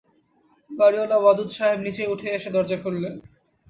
বাড়িওয়ালা ওয়াদুদ সাহেব নিজেই উঠে এসে দরজা খুললেন।